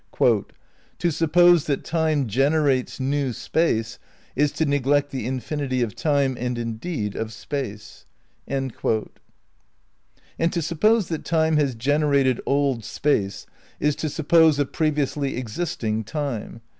"To suppose that Time generates new Space is to neglect the infinity of Time (and indeed of Space) ."' And to suppose that Time has generated old Space is to suppose a previously existing Time.